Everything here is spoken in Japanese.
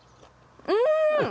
うん！